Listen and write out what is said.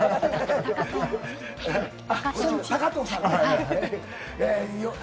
高藤さん。